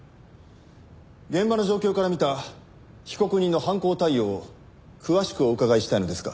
現場の状況から見た被告人の犯行態様を詳しくお伺いしたいのですが。